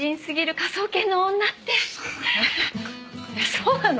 そうなの？